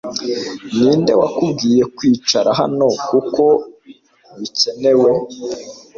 Ninde wakubwiye kwicara hano kuko bikenewe